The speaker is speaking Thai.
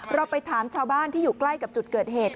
เราไปถามชาวบ้านที่อยู่ใกล้กับจุดเกิดเหตุ